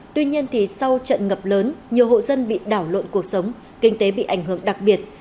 tuy nhiên sau trận ngập lớn nhiều hộ dân bị đảo lộn cuộc sống kinh tế bị ảnh hưởng đặc biệt